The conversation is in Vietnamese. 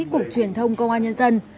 cục truyền thông công an nhân dân